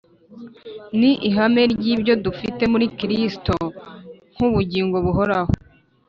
Ni ihame ry'ibyo dufite muri Kristo nk'ubugingo buhoraho,